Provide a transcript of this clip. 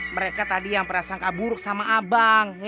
mereka tadi yang prasangka buruk sama abang